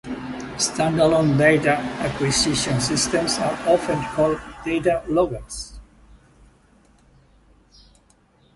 Stand-alone data acquisition systems are often called data loggers.